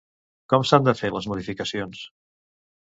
Com s'han de fer les modificacions?